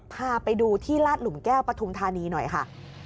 พาไปดูที่ลาดหลุมแก้วปฐุมธานีหน่อยค่ะ